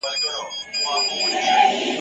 که هر څومره لږه ونډه ور رسیږي ..